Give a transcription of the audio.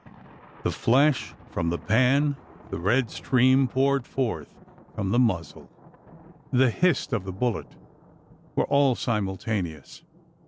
The flash from the pan the red stream poured forth from the muzzle the hist of the bullet, were all simultaneous.